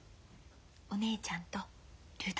お姉ちゃんと竜太先生。